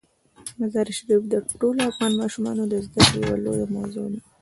مزارشریف د ټولو افغان ماشومانو د زده کړې یوه لویه موضوع ده.